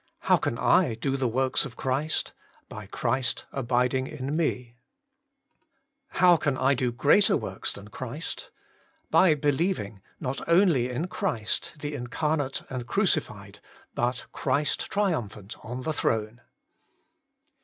How can I do the works of Christ ? By Christ abiding in me ! 2. How can I do greater works than Christ? By believing, not only in Christ, the Incarnate and Crucified, but Christ triumphant on the throne.